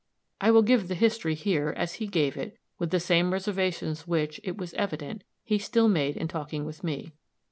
I will give the history here, as he gave it, with the same reservations which, it was evident, he still made in talking with me.